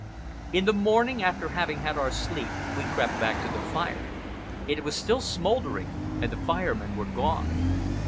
In the morning, after having had our sleep, we crept back to the fire. It was still smouldering, and the Fire Men were gone.